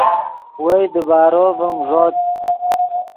وئے دیبارو ڤیم ݱوت